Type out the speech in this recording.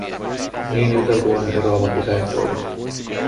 Niin juteltuaan eroavat isä ja poika.